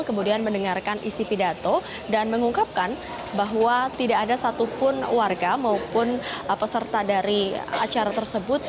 kemudian mendengarkan isi pidato dan mengungkapkan bahwa tidak ada satupun warga maupun peserta dari acara tersebut